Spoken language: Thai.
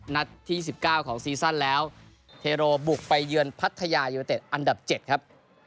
นัดที่๑๙ของซีซั่นแล้วเทโรบุกไปเยือนอันดับ๗ครับ